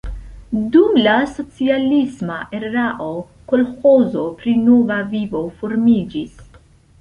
Dum la socialisma erao kolĥozo pri Nova Vivo formiĝis.